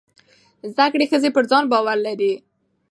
زده کړې ښځې پر ځان باور لري.